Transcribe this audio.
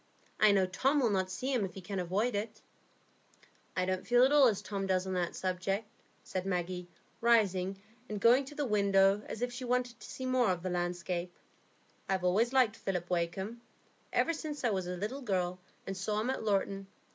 I know Tom will not see him if he can avoid it." "I don't feel at all as Tom does on that subject," said Maggie, rising and going to the window as if she wanted to see more of the landscape. "I've always liked Philip Wakem ever since I was a little girl, and saw him at Lorton.